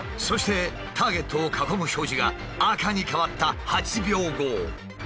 そしてターゲットを囲む表示が赤に変わった８秒後。